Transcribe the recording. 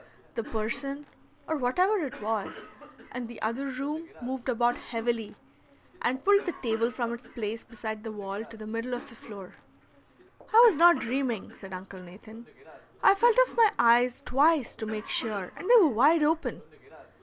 The person, or whatever it was, in the other room moved about heavily, and pulled the table from its place beside the wall to the middle of the floor. "I was not dreaming," said Uncle Nathan; "I felt of my eyes twice to make sure, and they were wide open."